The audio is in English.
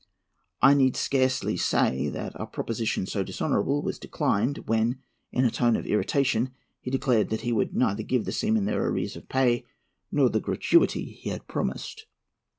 I need scarcely say that a proposition so dishonourable was declined; when, in a tone of irritation, he declared that 'he would neither give the seamen their arrears of pay nor the gratuity he had promised.'"